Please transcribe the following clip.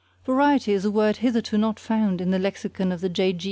Variety is a word hitherto not found in the lexicon of the J.